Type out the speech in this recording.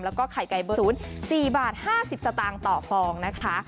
แล้วก็ไข่ไก่เบอร์๐๔บาท๕๐สตางค์ต่อฟองนะคะ